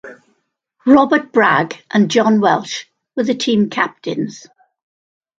Robert Bragg and John Welch were the team captains.